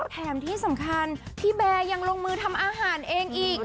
แถมที่สำคัญพี่เบรงหลงมือทำอาหารเองเองครับ